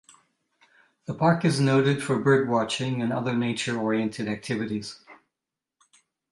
The park is noted for bird-watching and other nature-oriented activities.